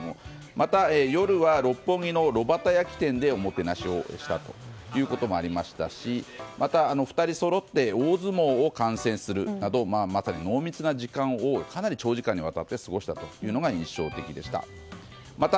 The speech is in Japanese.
また夜は六本木の炉端焼き店でおもてなしをしたということもありましたしまた２人そろって大相撲を観戦するなどまさに濃密な時間をかなり長時間にわたって過ごしたというのが印象的でした。